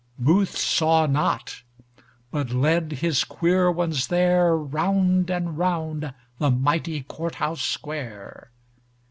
Booth saw not, but led his queer ones thereRound and round the mighty court house square.